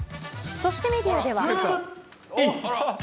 そしてメディアでは。